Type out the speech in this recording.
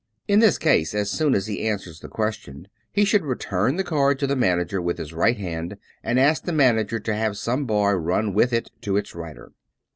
In this case, as soon as he answers the question, he should return the card to the manager with his right hand and ask the manager to have some boy run with it to its writer.